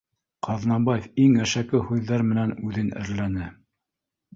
Ҡаҙнабаев иң әшәке һүҙҙәр менән үҙен әрләне